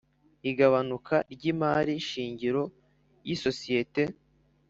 igabanuka ry imari shingiro y’ isosiyete